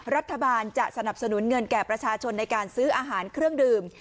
รัฐบาลจะสนับสนุนเงินแก่ประชาชนในการซื้ออาหารเครื่องดื่ม